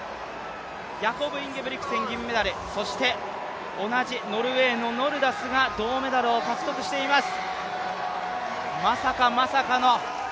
ヤコブ・インゲブリクセン、銀メダル、そして同じノルウェーのノルダスが銅メダルを獲得しています。